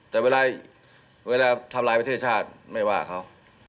แต่เวลาทำลายประเทศชาติไม่ว่าเขา